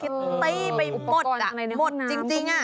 ิตตี้ไปหมดหมดจริง